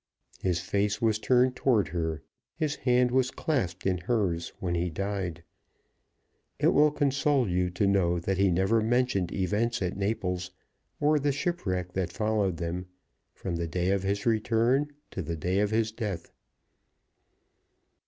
His face was turned toward her, his hand was clasped in hers when he died. It will console you to know that he never mentioned events at Naples, or the shipwreck that followed them, from the day of his return to the day of his death."